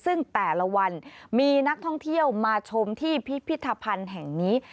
ซึ่งแต่ละวันมีนักท่องเที่ยวมาชมที่พิพิธภัณฑ์แห่งนี้